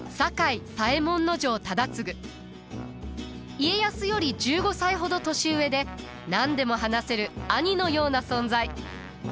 家康より１５歳ほど年上で何でも話せる兄のような存在。